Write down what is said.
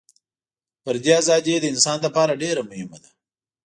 فردي ازادي د انسان لپاره ډېره مهمه ده.